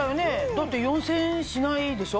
だって４０００円しないでしょ？